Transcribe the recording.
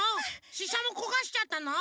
ししゃもこがしちゃったの？